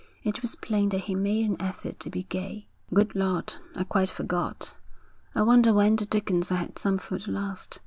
It was plain that he made an effort to be gay. 'Good Lord, I quite forgot; I wonder when the dickens I had some food last.